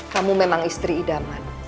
kamu memang istri idaman